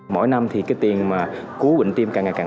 mỗi năm thì cái tiền mà cứu bệnh tim càng ngày càng